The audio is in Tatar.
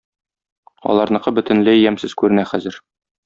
Аларныкы бөтенләй ямьсез күренә хәзер.